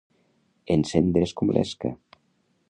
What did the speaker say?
Encendre's com l'esca.